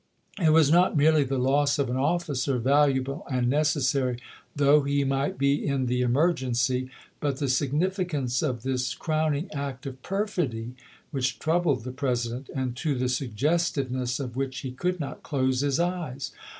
It was not merely the loss of an officer, valuable and necessary though he might be in the emer gency, but the significance of this crowning act of perfidy which troubled the President, and to the suggestiveness of which he could not close his eyes.